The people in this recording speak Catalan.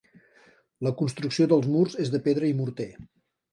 La construcció dels murs és de pedra i morter.